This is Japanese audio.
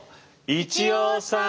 一葉さん？